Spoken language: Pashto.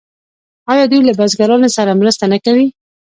آیا دوی له بزګرانو سره مرسته نه کوي؟